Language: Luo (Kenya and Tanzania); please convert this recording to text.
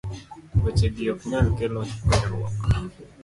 weche gi ok nyal kelo konyruok